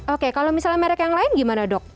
oke kalau misalnya merek yang lain gimana dok